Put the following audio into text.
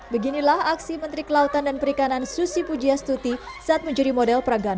beginilah aksi menteri kelautan dan perikanan susi pujiastuti saat menjadi model peragaan